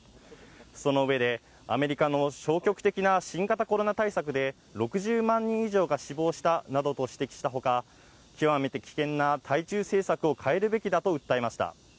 その上で、アメリカの消極的な新型コロナ対策で６０万人以上が死亡したなどと指摘したほか、極めて危険な対中政策を変えるべきだと訴えました。